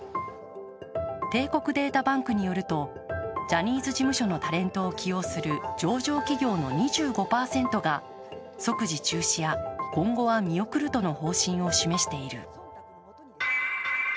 帝国データバンクによるとジャニーズ事務所のタレントを起用する上場企業の２５％が即時中止や、今後は見送るとの方針を示している。